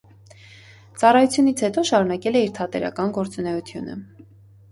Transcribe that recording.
Ծառայությունից հետո շարունակել է իր թատերական գործունեությունը։